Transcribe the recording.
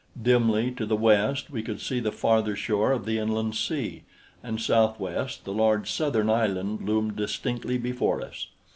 Dimly, to the west, we could see the farther shore of the inland sea, and southwest the large southern island loomed distinctly before us.